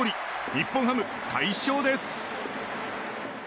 日本ハム、快勝です！